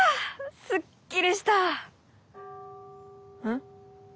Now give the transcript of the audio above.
すっきりした！ん？